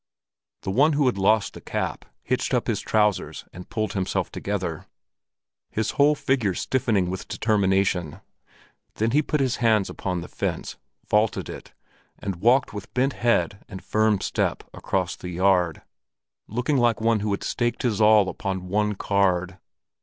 The one who had lost the cap, hitched up his trousers and pulled himself together, his whole figure stiffening with determination; then he put his hands upon the fence, vaulted it, and walked with bent head and firm step across the yard, looking like one who had staked his all upon one card.